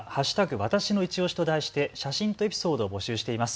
わたしのいちオシと題して写真とエピソードを募集しています。